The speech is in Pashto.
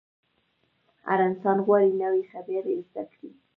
هر انسان غواړي نوې خبرې زده کړي.